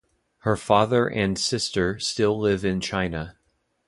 Her father and sister still live in China.